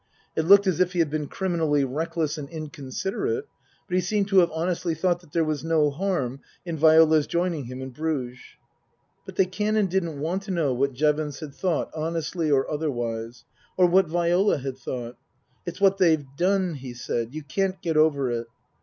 It looked as if he had been criminally reckless and inconsiderate ; but he seemed to have honestly thought that there was no harm in Viola's joining him in Bruges. But the Canon didn't want to know what Jevons had thought, honestly or otherwise. Or what Viola had thought. " It's what they've done," he said. ' You can't get over it."